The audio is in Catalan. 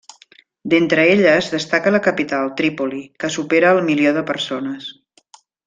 D'entre elles destaca la capital, Trípoli, que supera el milió de persones.